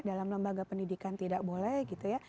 dalam lembaga pendidikan tidak boleh gitu ya